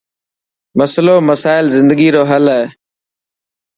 مسلو، مسئلا زندگي رو حصو هي.